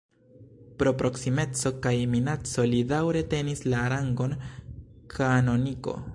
Pro proksimeco kaj minaco li daŭre tenis la rangon kanoniko.